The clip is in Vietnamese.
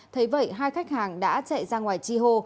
thấy vậy hai khách hàng đã chạy ra ngoài chi hô